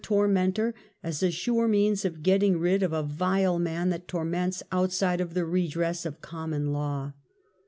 tormentor as a sure means of getting rid of a vile man that torments outside of the redress of common law.